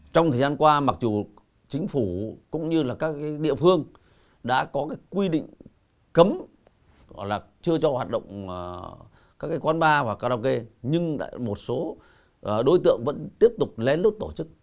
trong thời gian qua mặc dù chính phủ cũng như là các địa phương đã có cái quy định cấm là chưa cho hoạt động các quán bar và karaoke nhưng một số đối tượng vẫn tiếp tục lén lút tổ chức